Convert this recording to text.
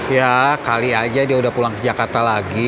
ya kali aja dia udah pulang ke jakarta lagi